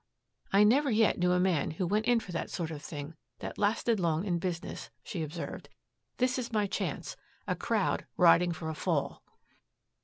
"I never yet knew a man who went in for that sort of thing that lasted long in business," she observed. "This is my chance a crowd riding for a fall."